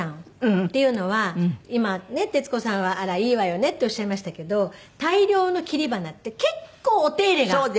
っていうのは今ね徹子さんは「あらいいわよね」っておっしゃいましたけど大量の切り花って結構お手入れが。